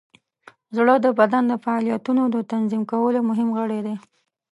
زړه د بدن د فعالیتونو د تنظیم کولو مهم غړی دی.